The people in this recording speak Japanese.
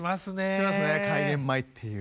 しますね開演前っていう。